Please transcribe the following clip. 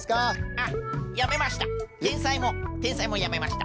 あっやめました。